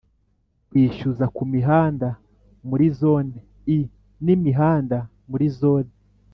Kwishyuza ku mihanda muri zone i n imihanda muri zone